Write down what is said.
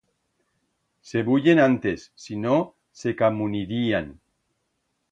Se bullen antes, sino se camunirían.